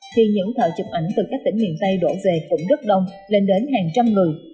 khi những thợ chụp ảnh từ các tỉnh miền tây đổ về khủng đất đông lên đến hàng trăm người